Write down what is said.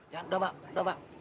jangan udah mak